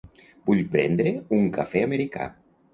Vull prendre un cafè americà.